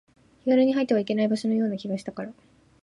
気軽に入ってはいけない場所のような気がしたから